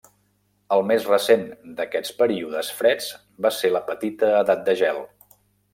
El més recent d'aquests períodes freds va ser la Petita Edat de Gel.